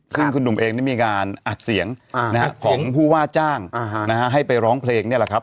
ซึ่งคุณหนุ่มเองได้มีการอัดเสียงของผู้ว่าจ้างให้ไปร้องเพลงนี่แหละครับ